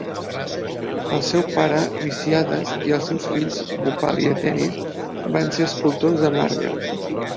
El seu pare, Miccíades, i els seus fills, Bupal i Atenis, van ser escultors de marbre.